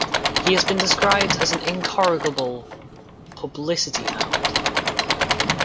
He has been described as an "incorrigible publicity hound".